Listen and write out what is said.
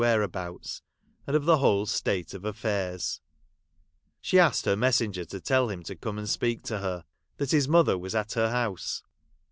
[Conducted li) abouts, and of the whole state of affairs. She asked her messenger to tell him to come and speak to her, — that his mother was at her house.